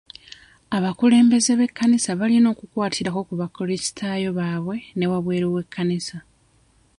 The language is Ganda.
Abakulembeze b'ekkanisa balina okukwatirako ku bakulisitayo babwe ne wabweru w'ekkanisa.